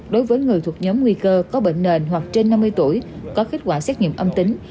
đối với người thuộc nhóm nguy cơ có bệnh nền hoặc trên năm mươi tuổi có kết quả xét nghiệm âm tính